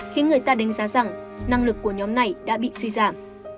khiến người ta đánh giá rằng năng lực của nhóm này đã bị suy giảm